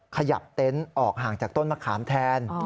เต็นต์ออกห่างจากต้นมะขามแทน